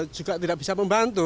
juga tidak bisa membantu